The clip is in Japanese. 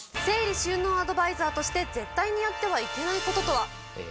整理収納アドバイザーとして絶対にやってはいけない事とは？